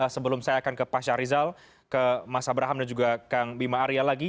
sebelum saya akan ke pak syahrizal ke mas abraham dan juga kang bima arya lagi